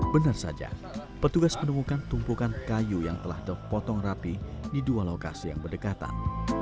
benar saja petugas menemukan tumpukan kayu yang telah terpotong rapi di dua lokasi yang berdekatan